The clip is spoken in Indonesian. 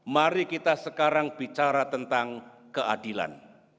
mari kita sekarang bicara tentang keadilan